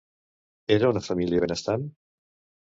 Era una família benestant?